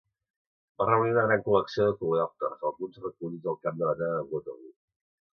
Va reunir una gran col·lecció de coleòpters, alguns recollits al camp de batalla de Waterloo.